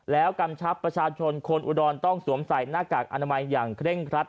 แล้วกำชับประชาชนคนอุดรต้องสวมใส่หน้ากากอนามัยอย่างเคร่งครัด